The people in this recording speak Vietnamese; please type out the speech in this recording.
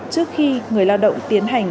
trước khi người lao động tiến hành